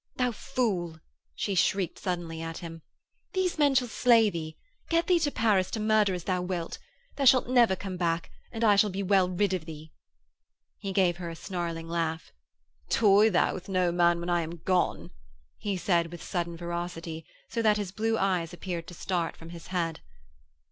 'Thou fool,' she shrieked suddenly at him. 'These men shall slay thee. Get thee to Paris to murder as thou wilt. Thou shalt never come back and I shall be well rid of thee.' He gave her a snarling laugh: 'Toy thou with no man when I am gone,' he said with sudden ferocity, so that his blue eyes appeared to start from his head.